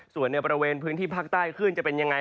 ส่วนในบริเวณพื้นที่ภาคใต้คลื่นจะเป็นยังไง